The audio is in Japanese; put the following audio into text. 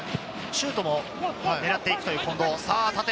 シュートも狙っていくという近藤。